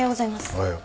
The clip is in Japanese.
おはよう。